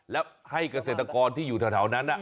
แล้วให้กระเศนตะครที่อยู่ทนั้นน่ะ